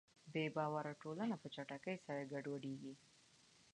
بېباوره ټولنه په چټکۍ سره ګډوډېږي.